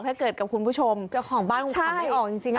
ถ้าเกิดกับคุณผู้ชมเจ้าของบ้านของขำไม่ออกจริงจริงค่ะ